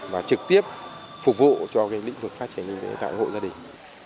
và trực tiếp phục vụ cho cái lĩnh vực phát triển kinh tế tại hội gia đình